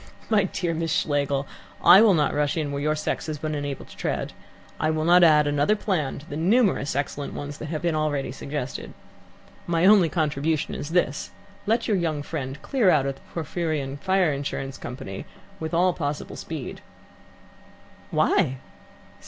"My dear Miss Schlegel, I will not rush in where your sex has been unable to tread. I will not add another plan to the numerous excellent ones that have been already suggested. My only contribution is this: let your young friend clear out of the Porphyrion Fire Insurance Company with all possible speed." "Why?"